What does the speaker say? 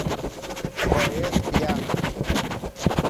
Поетк иахь…